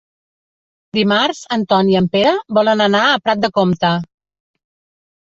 Dimarts en Ton i en Pere volen anar a Prat de Comte.